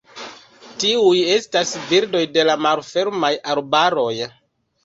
Tiuj estas birdoj de malfermaj arbaroj.